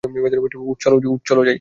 উঠ, চল যাই।